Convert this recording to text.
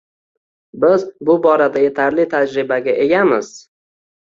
Biz bu borada yetarli tajribaga egamiz.